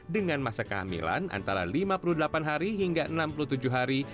dengan masa kehamilan antara lima puluh delapan hari hingga enam puluh tujuh hari